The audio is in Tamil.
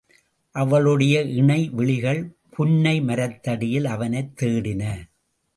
அவளுடைய இணை விழிகள் புன்னை மரத்தடியில் அவனைத் தேடின.